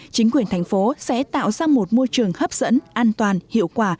chính quyền thành phố sẽ tạo ra một môi trường hấp dẫn an toàn hiệu quả